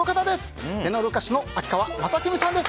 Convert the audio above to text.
テノール歌手の秋川雅史さんです。